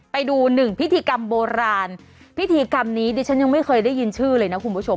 ไปดูหนึ่งพิธีกรรมโบราณพิธีกรรมนี้ดิฉันยังไม่เคยได้ยินชื่อเลยนะคุณผู้ชม